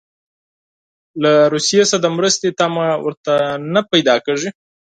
له روسیې څخه د مرستې تمه ورته نه پیدا کیږي.